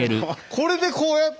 これでこうやって。